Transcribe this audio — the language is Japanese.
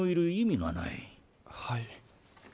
はい。